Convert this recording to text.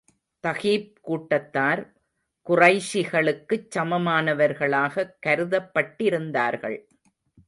தகீப் கூட்டத்தார் குறைஷிகளுக்குச் சமமானவர்களாகக் கருதப்பட்டிருந்தார்கள்.